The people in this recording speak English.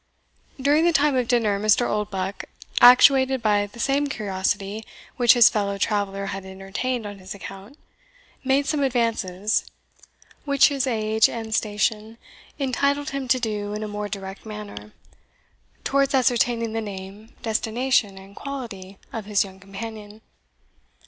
During the time of dinner, Mr. Oldbuck, actuated by the same curiosity which his fellow traveller had entertained on his account, made some advances, which his age and station entitled him to do in a more direct manner, towards ascertaining the name, destination, and quality of his young companion.